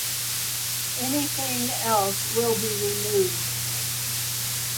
Anything else will be removed.